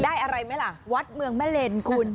อะไรไหมล่ะวัดเมืองแม่เลนคุณ